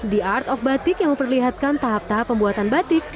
the art of batik yang memperlihatkan tahap tahap pembuatan batik